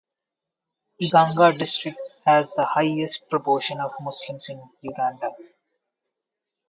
Iganga District has the highest proportion of Muslims in Uganda.